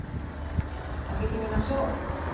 開けてみましょう。